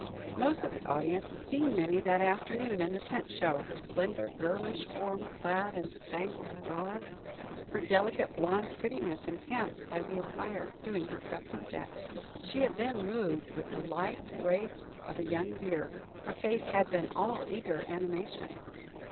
Most of the audience had seen Minnie that afternoon in the tent show, her slender girlish form clad in spangled gauze, her delicate blonde prettiness enhanced by the attire, doing her trapeze act. She had then moved with the lithe grace of a young deer; her face had been all eager animation.